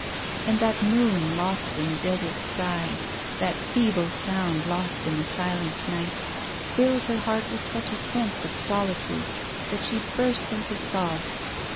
And that moon lost in a desert sky, that feeble sound lost in the silent night, filled her heart with such a sense of solitude that she burst into sobs.